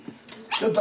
ちょっと。